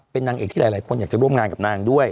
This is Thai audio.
เป็นนางเอกที่หลายคนอยากจะร่วมงานกับนางด้วย